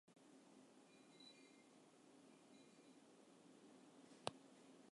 Hy hat har in treflik stik stjoerd oer it wurk dat er dien hat.